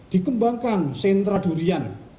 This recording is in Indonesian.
dikembangkan sentra durian